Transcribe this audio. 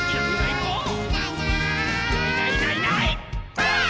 ばあっ！